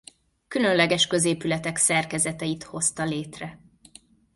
Különleges középületek szerkezeteit hozta létre.